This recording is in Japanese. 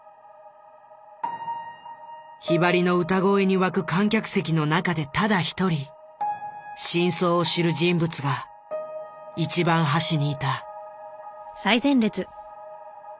ひばりの歌声に沸く観客席の中でただ一人真相を知る人物が一番端にいた。